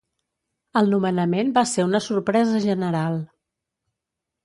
El nomenament va ser una sorpresa general.